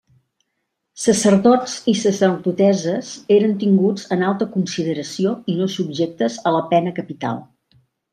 Sacerdots i sacerdotesses eren tinguts en alta consideració i no subjectes a la pena capital.